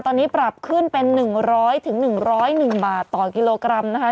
ตอนนี้ปรับขึ้นเป็น๑๐๐๑๐๑บาทต่อกิโลกรัมนะคะ